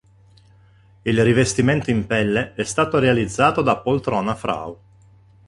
Il rivestimento in pelle è stato realizzato da Poltrona Frau.